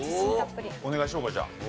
お願いしようかじゃあ。